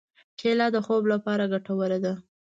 کېله د خوب لپاره ګټوره ده.